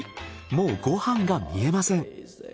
もうご飯が見えません！